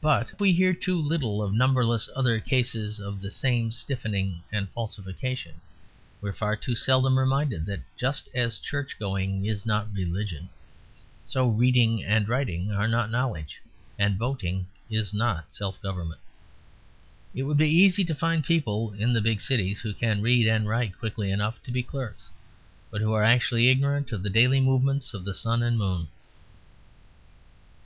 But we hear too little of numberless other cases of the same stiffening and falsification; we are far too seldom reminded that just as church going is not religion, so reading and writing are not knowledge, and voting is not self government. It would be easy to find people in the big cities who can read and write quickly enough to be clerks, but who are actually ignorant of the daily movements of the sun and moon.